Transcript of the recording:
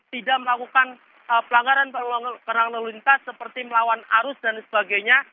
tidak melakukan pelanggaran kerang lalu lintas seperti melawan arus dan sebagainya